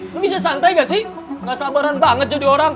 lo bisa santai nggak sih nggak sabaran banget jadi orang